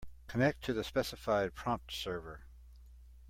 Connect to the specified prompt server.